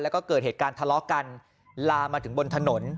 แล้วก็เกิดเหตุการณ์ทะเลาะกันลามาถึงบนถนน